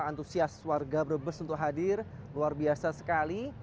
antusias warga brebes untuk hadir luar biasa sekali